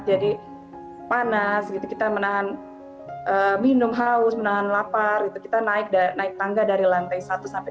jadi panas kita menahan minum haus menahan lapar kita naik tangga dari lantai satu sampai tiga puluh dua